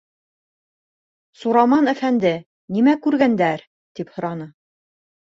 - Сураман әфәнде, нимә күргәндәр? - тип һораны.